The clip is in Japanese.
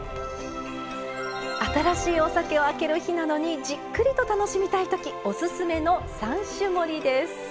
新しいお酒を開ける日などにじっくりと楽しみたい時オススメの３種盛りです。